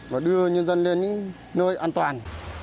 và đưa nhân dân lên những nơi an toàn